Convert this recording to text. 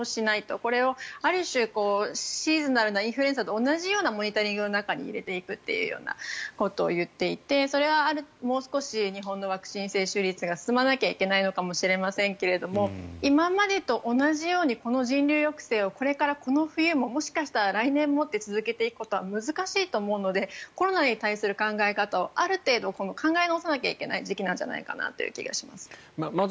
これをある種シーズナルなインフルエンザと同じようなモニタリングの中に入れていくというようなことを言っていてそれはもう少し日本のワクチン接種率が進まなければいけないのかもしれませんが今までと同じようにこの人流抑制をこれからこの冬も、もしかしたら来年もと続けていくことは難しいと思うのでコロナに対する考え方をある程度考え直さなきゃいけない時期なんじゃないかなという気がします。